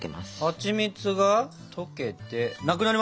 はちみつが溶けてなくなりました！